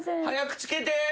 早くつけて。